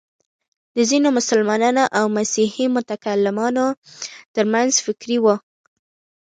د ځینو مسلمانو او مسیحي متکلمانو تر منځ فکري وه.